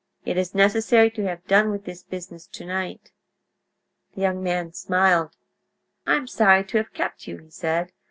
"It is necessary to have done with this business to night." The young man smiled. "I am sorry to have kept you," he said.